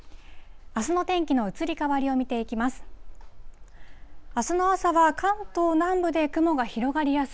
あすの天気の移り変わりを見ていきます。